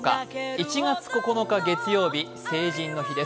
１月９日月曜日、成人の日です。